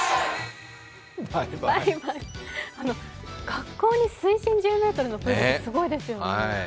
学校に水深１０ｍのプールってすごいですね。